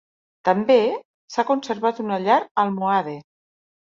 També, s'ha conservat una llar almohade.